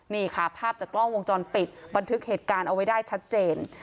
นี่ค่ะภาพจากกล้องวงจรปิดบันทึกเหตุการณ์เอาไว้ได้ชัดเจน